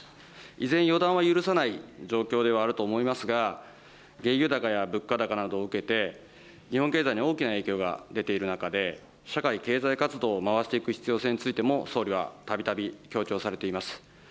依然予断は許さない状況ではあると思いますが、原油高や物価高などを受けて、日本経済に大きな影響が出ている中で、社会・経済活動を回していく必要性も総理はたびたび強調されています。